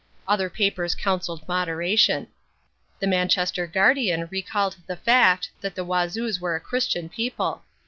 Other papers counselled moderation. The Manchester Guardian recalled the fact that the Wazoos were a Christian people.